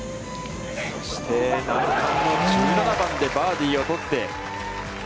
そして、難関の１７番でバーディーを取って。